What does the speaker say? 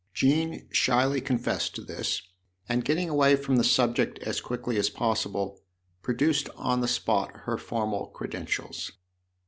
Jean shyly confessed to this, and getting away from the subject as quickly as possible, produced on the spot her formal credentials.